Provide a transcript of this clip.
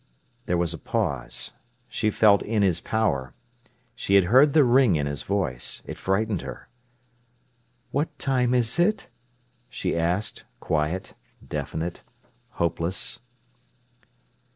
There was a pause. She felt in his power. She had heard the ring in his voice. It frightened her. "What time is it?" she asked, quiet, definite, hopeless.